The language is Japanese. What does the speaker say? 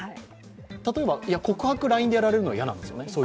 例えば、告白をＬＩＮＥでやられるのは嫌なんですよね？